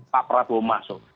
pak prabowo masuk